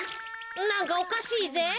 なんかおかしいぜ。